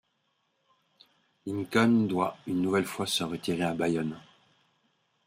Lincoln doit une nouvelle fois se retirer à Bayonne.